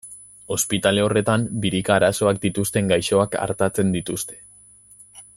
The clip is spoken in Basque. Ospitale horretan birika arazoak dituzten gaixoak artatzen dituzte.